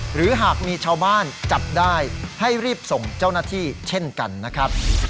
หรือหากมีชาวบ้านจับได้ให้รีบส่งเจ้าหน้าที่เช่นกันนะครับ